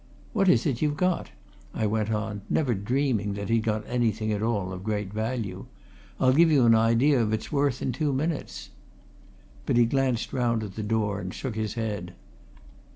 What is it you've got?" I went on, never dreaming that he'd got anything at all of any great value. "I'll give you an idea of its worth in two minutes." But he glanced round at the door and shook his head.